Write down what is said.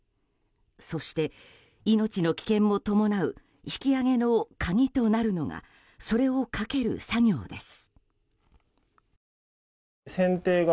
そして、命の危険も伴う引き揚げの鍵となるのがそれをかける作業です。